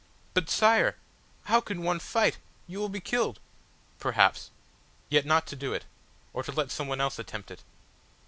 "But, Sire! How can one fight? You will be killed." "Perhaps. Yet, not to do it or to let some one else attempt it